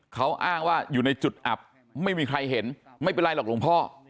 เขาอ้างว่าอยู่ในจุดอับไม่มีใครเห็นไม่เป็นไรหรอกหลวงพ่อ